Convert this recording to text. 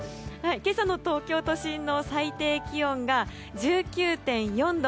今朝の東京都心の最低気温が１９．４度。